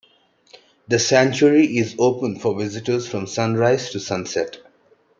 The sanctuary is open for visitors from sunrise to sunset.